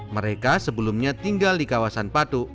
mereka sebelumnya tinggal di kawasan patu